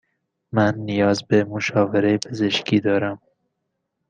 من نیاز به مشاوره پزشکی دارم.